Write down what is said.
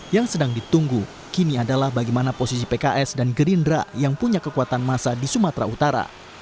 yang sedang ditunggu kini adalah bagaimana posisi pks dan gerindra yang punya kekuatan masa di sumatera utara